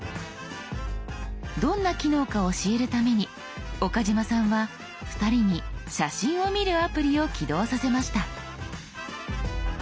どんな機能か教えるために岡嶋さんは２人に写真を見るアプリを起動させました。